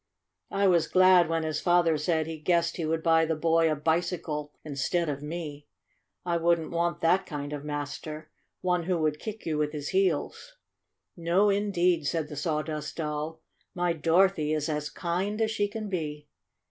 I was glad when his father said he guessed he would buy the boy a bicycle instead of me. I wouldn't want that kind of master — one who would kick you with his heels." "No, indeed!" said the Sawdust Doll. "My Dorothy is as kind as she can be."